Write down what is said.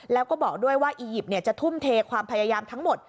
แล้วก็บอกด้วยว่าอียิปต์จะทุ่มเทความพยายามทั้งหมด